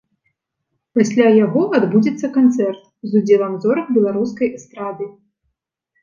Пасля яго адбудзецца канцэрт з удзелам зорак беларускай эстрады.